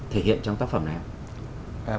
thể hiện trong tác phẩm này không